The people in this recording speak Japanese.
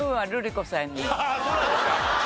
ああそうなんですか。